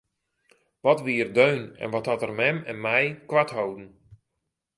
Wat wie er deun en wat hat er mem en my koart holden!